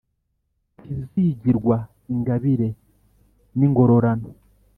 ntizigirwa ingabire n’ingororano